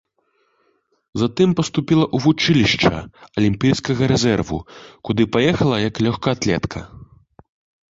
Затым паступіла ў вучылішча алімпійскага рэзерву, куды паехала як лёгкаатлетка.